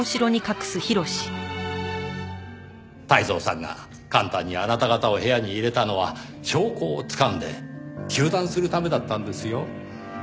泰造さんが簡単にあなた方を部屋に入れたのは証拠をつかんで糾弾するためだったんですよ。